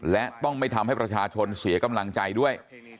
และต้องไม่ทำให้ประชาชนเสียกำลังใจด้วย